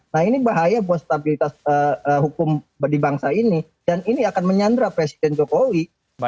nah ini bahaya buat stabilitas hukum di bangsa ini dan ini akan menyandra presiden jokowi